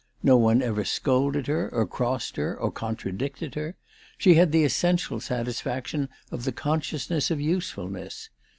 No one ever scolded her or crossed her or contradicted her. She had the essen tial satisfaction of the consciousness of usefulness.